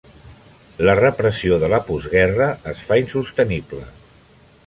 La repressió de la postguerra es fa insostenible.